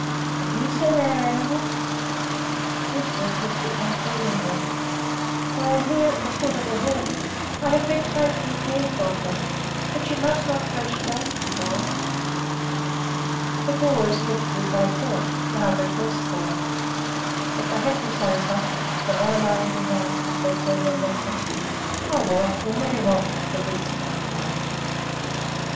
"Have you seen our animals?" Lisbeth looked at them pleadingly. "They are here at the foot of the hill. I have been taking care of them, but you must not thrash Jacob for it." The boys looked as they felt, rather crestfallen. But they had to say something, so Ole remarked, as they turned and left her, "Oh, well, we 'll let him off for this one time."